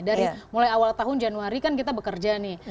dari mulai awal tahun januari kan kita bekerja nih